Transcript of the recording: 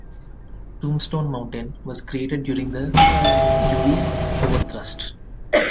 Tombstone Mountain was created during the Lewis Overthrust.